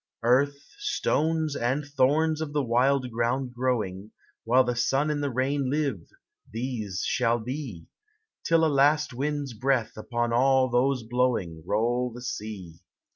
Earth, stones, and thorns of the wild ground growing, While the sun and the rain live, these shall be; Till a last wind's breath upon all these blowing Roll the sea.